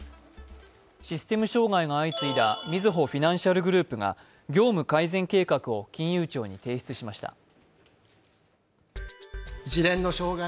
システム障害が相次いだみずほフィナンシャルグループが業務改善計画を金融庁に提出しました。